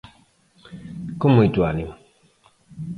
Con moito ánimo.